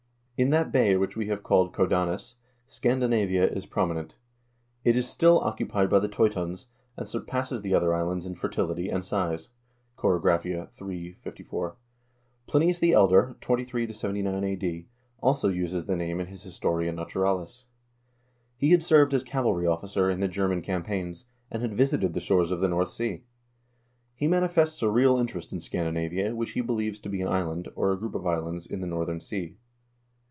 " In that bay which we have called Codanus, Scandinavia is prominent. It is still occupied by the Teutons, and surpasses the other islands in fertility and size." —" Chorographia," III., 54. Plinius the Elder (23 79 a.d.) also uses the name in his "Historia Naturalis." He had served as cavalry officer in the German cam paigns, and had visited the shores of the North Sea. He manifests a real interest in Scandinavia, which he believes to be an island, or a group of islands, in the northern sea.